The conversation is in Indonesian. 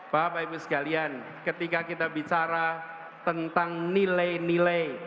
bapak ibu sekalian ketika kita bicara tentang nilai nilai